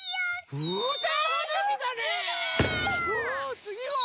おつぎは？